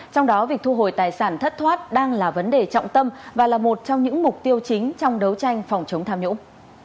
trong đó việc thu hồi tài sản thất thoát đang là vấn đề trọng tâm và là một trong những mục tiêu chính trong đấu tranh phòng chống tham nhũng